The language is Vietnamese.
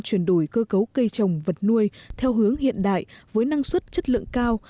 chuyển đổi cơ cấu cây trồng vật nuôi theo hướng hiện đại với năng suất chất lượng cao